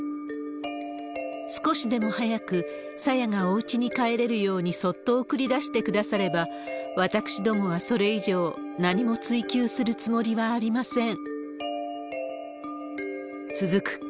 少しでも早く朝芽がおうちに帰れるようにそっと送り出してくだされば、私どもはそれ以上何も追求するつもりはありません。